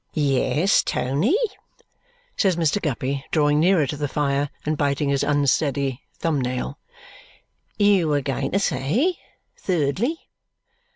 "Yes, Tony?" says Mr. Guppy, drawing nearer to the fire and biting his unsteady thumb nail. "You were going to say, thirdly?"